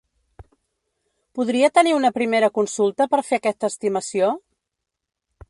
Podria tenir una primera consulta per fer aquest estimació?